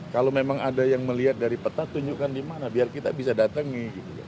kalau memang ada yang melihat dari peta tunjukkan di mana biar kita bisa datangi